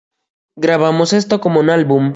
Grabamos esto como un álbum.